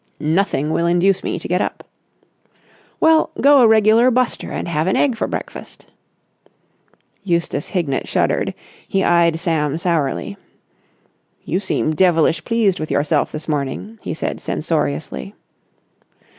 "Nothing will induce me to get up." "Well, go a regular buster and have an egg for breakfast." Eustace Hignett shuddered. He eyed Sam sourly. "You seem devilish pleased with yourself this morning!" he said censoriously.